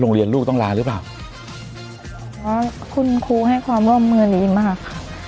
โรงเรียนลูกต้องลาหรือเปล่าเพราะคุณครูให้ความว่ามือหลีมากค่ะ